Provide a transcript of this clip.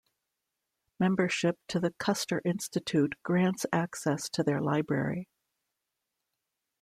Membership to the Custer Institute grants access to their library.